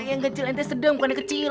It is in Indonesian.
yang kecil ini sedang bukan yang kecil